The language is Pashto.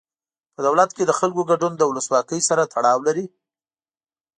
په دولت کې د خلکو ګډون د ولسواکۍ سره تړاو لري.